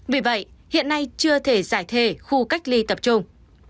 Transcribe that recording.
vì vậy hiện nay chưa thể giải thề khu cách ly tập trung